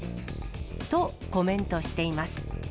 とコメントしています。